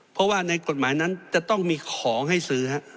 เพราะว่าในกฎหมายนั้นจะต้องมีของให้ซื้อ